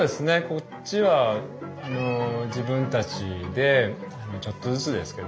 こっちは自分たちでちょっとずつですけどね